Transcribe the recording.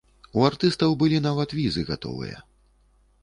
У артыстаў былі нават візы гатовыя.